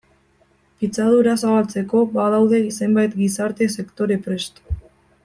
Pitzadura zabaltzeko badaude zenbait gizarte sektore prest.